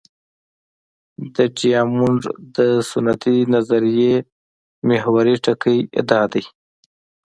د ډیامونډ د سنتي نظریې محوري ټکی دا دی.